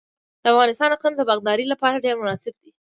د افغانستان اقلیم د باغدارۍ لپاره ډیر مناسب دی.